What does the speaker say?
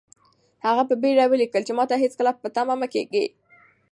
هغه په بېړه ولیکل چې ماته هېڅکله په تمه مه کېږئ.